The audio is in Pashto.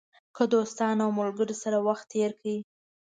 که دوستانو او ملګرو سره وخت تېر کړئ.